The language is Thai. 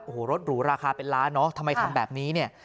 โอ้โหรถหรูราคาเป็นล้านเนอะทำไมทำแบบนี้เนี่ย